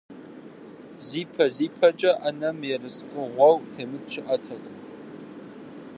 Зипэ-зипэкӏэ ӏэнэм ерыскъыгъуэу темыт щыӏэтэкъым.